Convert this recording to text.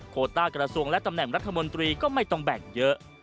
โคต้ากระทรวงและตำแหน่งรัฐมนตรีก็ไม่ต้องแบ่งเยอะ